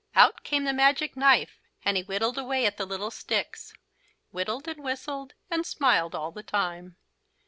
Out came the magic knife and he whittled away at the little sticks; whittled and whistled and smiled all the time.